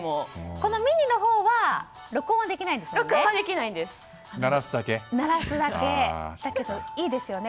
ミニのほうは録音できないんですよね。